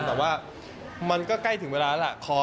แต่ว่ามันก็ใกล้ถึงเวลาแล้วล่ะ